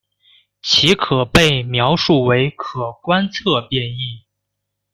其可被描述为可观测变异。